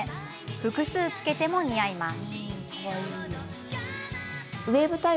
複数つけても似合います。